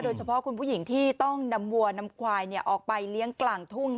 โดยเฉพาะคุณผู้หญิงที่ต้องนำวัวนำควายออกไปเลี้ยงกลางทุ่ง